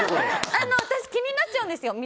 私気になっちゃうんですよ